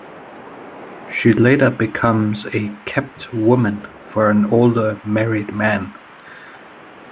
She later becomes a "kept woman" for an older, married man.